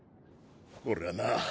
俺はな